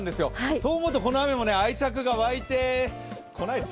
そう思うとこの雨も愛着が湧いてこない。